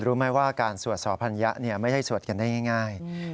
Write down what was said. รู้ไหมว่าการสวดสอพัญญะไม่ใช่สวดกันได้ง่าย